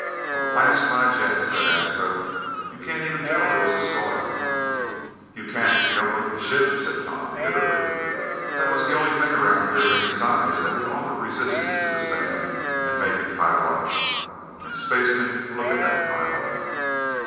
"Well, blast my jets!" said Astro. "You can't even tell there was a storm." "You can't if you don't look at the ship," said Tom bitterly. "That was the only thing around here of any size that would offer resistance to the sand and make it pile up. And, spaceman, look at that pile!"